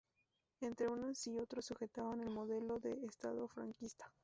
Entre unas y otros sujetaban el modelo de Estado franquista.